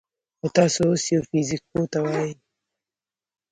خو تاسو اوس يوه فزيك پوه ته ووايئ: